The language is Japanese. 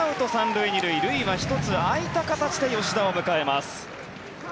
塁は１つ空いた形で吉田を迎えます。